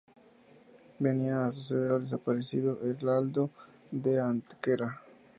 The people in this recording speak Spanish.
Venía a suceder al desaparecido "Heraldo de Antequera".